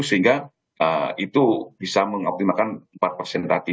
sehingga itu bisa mengoptimalkan empat tati